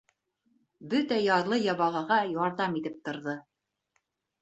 Бөтә ярлы-ябағаға ярҙам итеп торҙо.